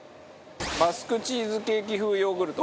バスクチーズケーキ風ヨーグルト。